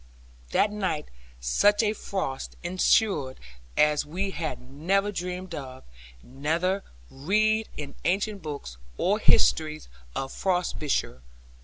That night such a frost ensued as we had never dreamed of, neither read in ancient books, or histories of Frobisher.